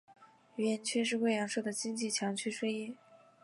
云岩区是贵阳市的经济强区之一。